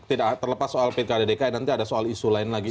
tidak terlepas soal pkd dki nanti ada soal isu lain lagi